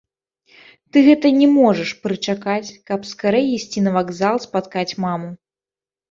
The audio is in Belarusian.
Ты гэта не можаш прычакаць, каб скарэй ісці на вакзал спаткаць маму.